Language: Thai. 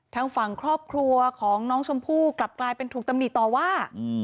ทางฝั่งครอบครัวของน้องชมพู่กลับกลายเป็นถูกตำหนิต่อว่า